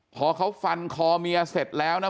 พอเขาฟันคอเมียเสร็จแล้วนะ